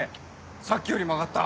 さっきより曲がった。